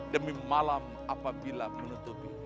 demi malam apabila menutupi